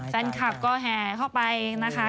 แฟนคลับก็แห่เข้าไปนะคะ